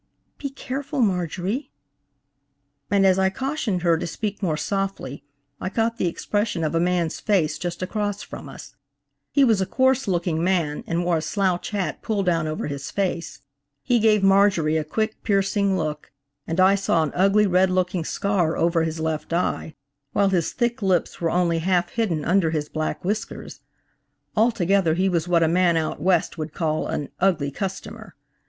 "Be careful, Marjorie!" and as I cautioned her to speak more softly, I caught the expression of a man's face just across from us. He was a coarse looking man and wore a slouch hat pulled down over his face. He gave Marjorie a quick, piercing look, and I saw an ugly, red looking scar over his left eye, while his thick lips were only half hidden under his black whiskers. Altogether he was what a man out West would call an "ugly customer."